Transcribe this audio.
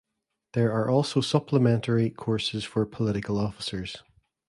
There are also supplementary courses for political officers.